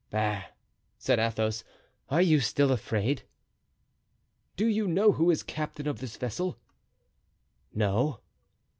"Bah!" said Athos, "are you still afraid?" "Do you know who is captain of this vessel?" "No."